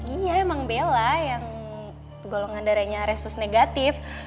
iya emang bella yang golongan darahnya resus negatif